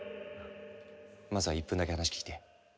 まずは１分だけ話聞いて。